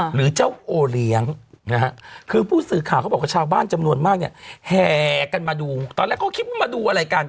หรือเจ้าออเลี้ยงนะคะคือผู้สื่อข่าวหมากเบาชาวบ้านจำนวนมากนึกแหกันมาดูตอนแล้วก็คิดมาดู